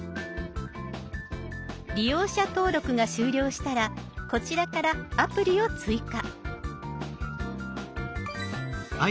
利用者登録が終了したらこちらからアプリを追加。